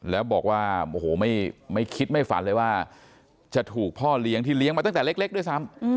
แล้วบอกว่าโอ้โหไม่คิดไม่ฝันเลยว่าจะถูกพ่อเลี้ยงที่เลี้ยงมาตั้งแต่เล็กด้วยซ้ำ